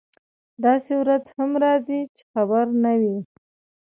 داسې ورځ هم راځي چې خبر نه وي.